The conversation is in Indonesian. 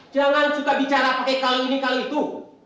jangan suka bicara pakai kalau ini kalau itu